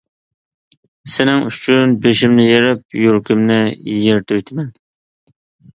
سېنىڭ ئۈچۈن بېشىمنى يېرىپ، يۈرىكىمنى يىرتىۋېتىمەن!